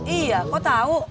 iya kok tau